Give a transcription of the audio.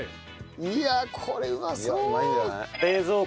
いやこれうまそう！